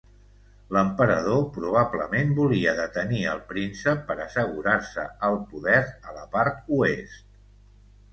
L'emperador probablement volia detenir el príncep per assegurar-se el poder a la part oest.